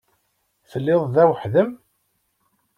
Telliḍ da weḥd-m?